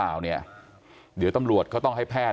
แต่ว่าวินนิสัยดุเสียงดังอะไรเป็นเรื่องปกติอยู่แล้วครับ